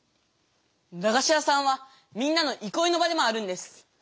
だがし屋さんはみんなのいこいの場でもあるんです。